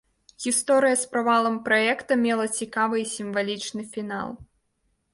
Гісторыя з правалам праекта мела цікавы і сімвалічны фінал.